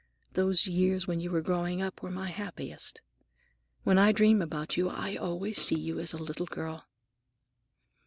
Those years when you were growing up were my happiest. When I dream about you, I always see you as a little girl."